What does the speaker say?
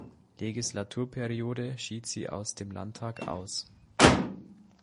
Legislaturperiode schied sie aus dem Landtag aus.